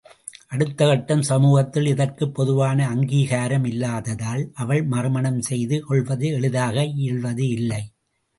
அடுத்த கட்டம் சமூகத்தில் இதற்குப் பொதுவான அங்கீகாரம் இல்லாததால் அவள் மறுமணம் செய்து கொள்வது எளிதாக இயல்வது இல்லை.